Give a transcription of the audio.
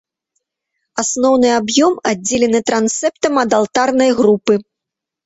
Асноўны аб'ём аддзелены трансептам ад алтарнай групы.